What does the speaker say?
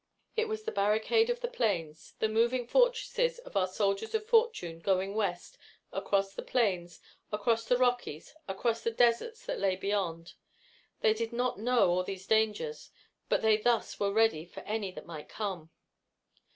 It was the barricade of the Plains, the moving fortresses of our soldiers of fortune, going West, across the Plains, across the Rockies, across the deserts that lay beyond. They did not know all these dangers, but they thus were ready for any that might come.